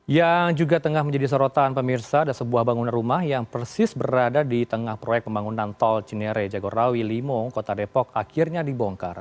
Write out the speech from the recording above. yang juga tengah menjadi sorotan pemirsa ada sebuah bangunan rumah yang persis berada di tengah proyek pembangunan tol cinere jagorawi limo kota depok akhirnya dibongkar